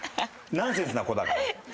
ナンセンスな子だから。